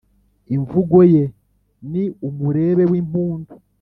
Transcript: Imvugo ye ni umurebe w’impundu,